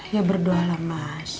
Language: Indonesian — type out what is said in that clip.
ya berdoa lah mas